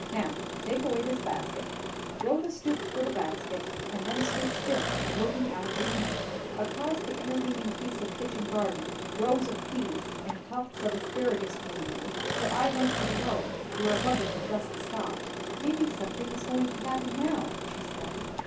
"Now take away this basket." Rotha stooped for the basket, and then stood still, looking out of the window. Across the intervening piece of kitchen garden, rows of peas and tufts of asparagus greenery, her eye went to the road, where a buggy had just stopped. "Maybe something is going to happen now," she said.